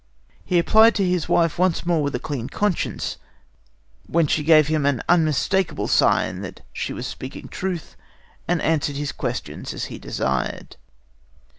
He applied to his wife once more with a clear conscience, when she gave him an unmistakable sign that she was speaking the truth, and answered his questions as he desired.